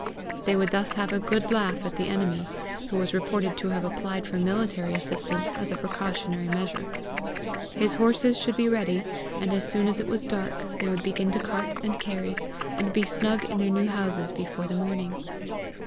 They would thus have a good laugh at the enemy, who was reported to have applied for military assistance as a precautionary measure. His horses should be ready, and as soon as it was dark they would begin to cart and carry, and be snug in their new houses before the morning!